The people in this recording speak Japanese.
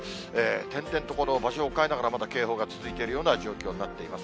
点々と場所を変えながら、まだ警報が続いているような状況になっています。